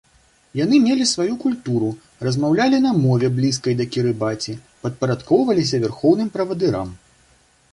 Яны мелі сваю культуру, размаўлялі на мове, блізкай да кірыбаці, падпарадкоўваліся вярхоўным правадырам.